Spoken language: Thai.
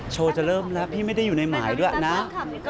โชว์จะเริ่มแล้วพี่ไม่ได้อยู่ในหมายด้วยนะ